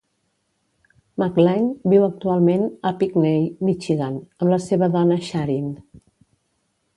McLain viu actualment a Pinckney, Michigan, amb la seva dona, Sharyn.